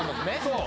そう。